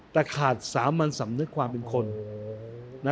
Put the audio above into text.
แต่ขาดสามัญสำนึกความเป็นคน